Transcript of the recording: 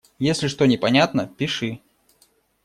Если что непонятно - пиши.